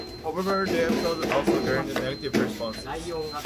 However, the episode also garnered negative responses.